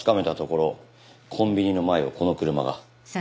コンビニの前をこの車が。